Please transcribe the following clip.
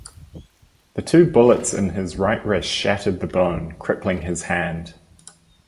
The two bullets in his right wrist shattered the bone, crippling his hand.